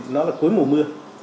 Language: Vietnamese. nó là cuối mùa mưa